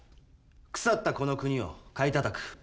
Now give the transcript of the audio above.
腐ったこの国を買い叩く。